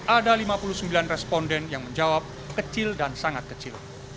ada lima puluh sembilan responden yang menjawab kecil dan sangat kecil